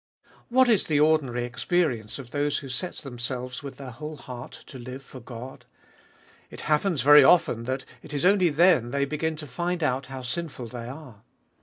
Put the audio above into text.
What is the ordinary experience of those who set them selves with their whole heart to live for God ? It happens very often that it is only then they begin to find out how sinful they are.